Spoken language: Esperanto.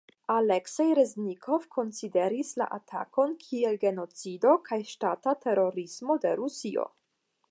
Aleksej Reznikov konsideris la atakon kiel genocido kaj ŝtata terorismo de Rusio.